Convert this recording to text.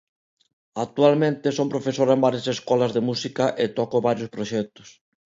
Actualmente son profesora en varias escolas de música e toco en varios proxectos.